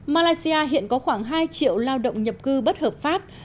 malaysia hiện có khoảng hai triệu lao động nhập cư bất hợp pháp